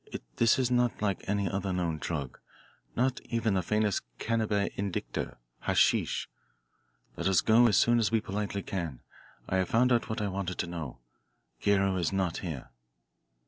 This is not like any other known drug not even the famous Cannabis indica, hasheesh. Let us go as soon as we politely can. I have found out what I wanted to know. Guerrero is not here."